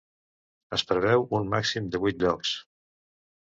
Es preveu un màxim de vuit llocs.